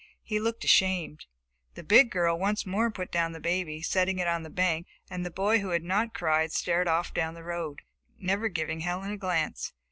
He looked ashamed. The big girl once more put down the baby, setting it on the bank, and the boy who had not cried stared off down the road, never giving Helen a glance.